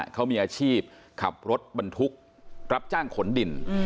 เขามีอาชีพขับรถบรรทุกรับจ้างขนดิน